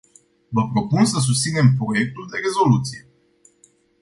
Vă propun să susținem proiectul de rezoluție.